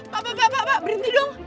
pak pak pak berhenti dong